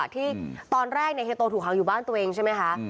ที่ตอนแรกเฮียโตถูกหางอยู่บ้านตัวเองใช่ไหมคะ